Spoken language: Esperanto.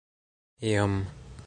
iom